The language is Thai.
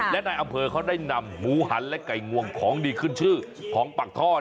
และนายอำเภอเขาได้นำหมูหันและไก่งวงของดีขึ้นชื่อของปากท่อ